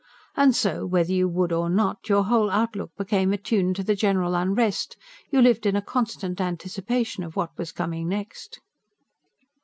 And so, whether you would or not, your whole outlook became attuned to the general unrest; you lived in a constant anticipation of what was coming next.